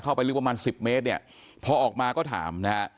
เข้าไปลึกประมาณสิบเมตรเนี่ยพอออกมาก็ถามนะฮะ